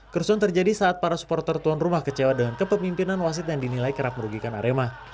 kerusuhan terjadi saat para supporter tuan rumah kecewa dengan kepemimpinan wasit yang dinilai kerap merugikan arema